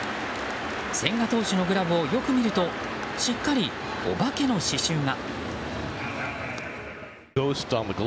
千賀投手のグラブをよく見るとしっかり、お化けの刺しゅうが。